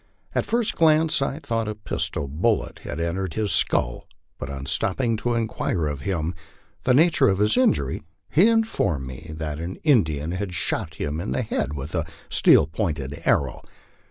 At first glance I thought a pistol bullet had entered his skull, but on stopping to inquire of him the nature of his injury, he informed me that an Indian had shot him in the head with a steel pointed arrow.